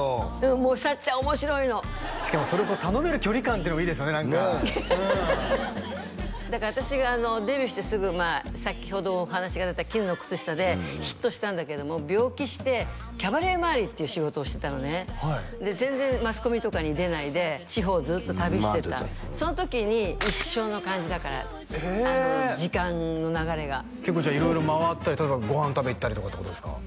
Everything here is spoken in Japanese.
もうさっちゃん面白いのしかもそれを頼める距離感っていうのもいいですよね何かだから私がデビューしてすぐ先ほどお話が出た「絹の靴下」でヒットしたんだけども病気してキャバレー回りっていう仕事をしてたのねはい全然マスコミとかに出ないで地方をずっと旅してたその時に一緒の感じだから時間の流れが結構じゃあ色々回ったり例えばご飯食べに行ったりとかってことですか？